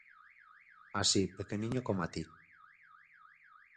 Así, pequeniño coma ti.